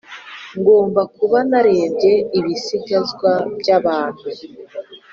ngomba kuba narebye ibisigazwa byabantu,